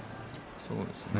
そうですね。